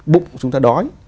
bụng chúng ta đói